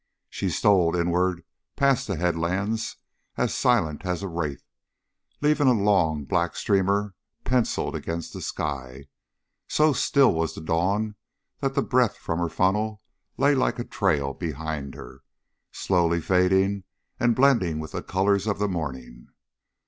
She stole inward past the headlands, as silent as a wraith, leaving a long, black streamer penciled against the sky; so still was the dawn that the breath from her funnel lay like a trail behind her, slowly fading and blending with the colors of the morning.